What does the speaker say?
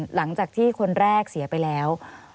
หลังจากที่คนแรกเสียไปแล้ว